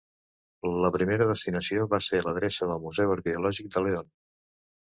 La primera destinació va ser l'adreça del Museu Arqueològic de León.